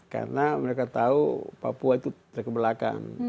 karena mereka tahu papua itu terkebelakang